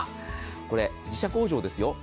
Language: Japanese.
これ、自社工場ですよ。